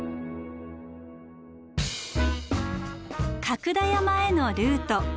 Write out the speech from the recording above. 角田山へのルート。